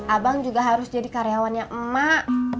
abang juga harus jadi karyawannya emak